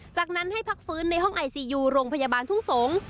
จากนั้นให้พักฟื้นในห้องไอซียูโรงพยาบาลทุ่งสงศ์